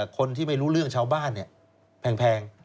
คนที่ไม่รู้เรื่องชาวบ้านแพง